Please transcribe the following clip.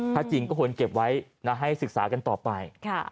ถ้าจริงก็ควรเก็บไว้ให้ศึกษากันต่อไป